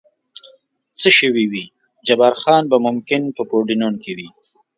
څه شوي وي، جبار خان به ممکن په پورډینون کې و.